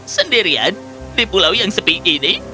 sendirian di pulau yang sepi ini